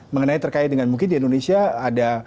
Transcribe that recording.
mengenai terkait dengan mungkin di indonesia ada